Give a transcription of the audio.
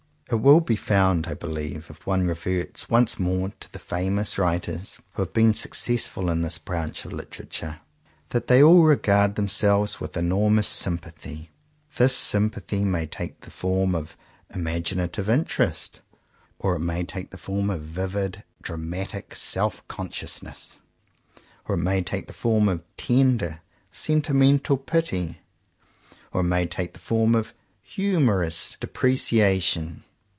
It will be found, I believe, if one reverts once more to the famous writers who have 21 CONFESSIONS OF TWO BROTHERS been successful in this branch of Hterature, that they all regard themselves with enor mous sympathy. This sympathy may take the form of imaginative interest; or it may take the form of vivid dramatic self con sciousness; or it may take the form of tender sentimental pity; or it may take the form of humourous depreciation.